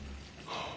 はあ。